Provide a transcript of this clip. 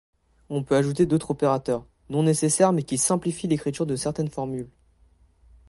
On peut ajouter d'autres opérateurs, non nécessaires mais qui simplifient l'écriture de certaines formules.